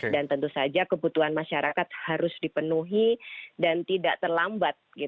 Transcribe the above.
dan tentu saja kebutuhan masyarakat harus dipenuhi dan tidak terlambat